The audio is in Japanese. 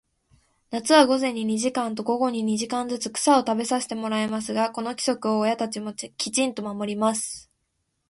夏は午前に二時間と、午後に二時間ずつ、草を食べさせてもらいますが、この規則を親たちもきちんと守ります。